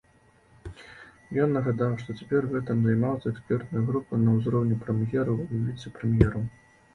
Ён нагадаў, што цяпер гэтым займаюцца экспертныя групы на ўзроўні прэм'ераў і віцэ-прэм'ераў.